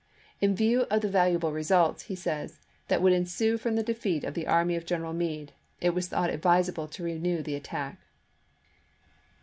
" In view of the valu able results," he says, " that would ensue from the defeat of the army of General Meade it was thought advisable to renew the attack."